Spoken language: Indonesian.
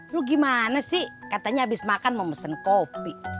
lu gimana sih katanya abis makan mau mesen kopi